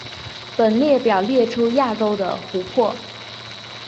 本列表列出亚洲的湖泊。